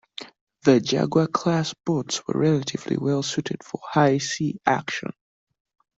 The "Jaguar"-class boats were relatively well suited for high sea action.